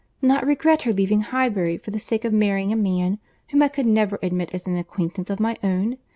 Not regret her leaving Highbury for the sake of marrying a man whom I could never admit as an acquaintance of my own!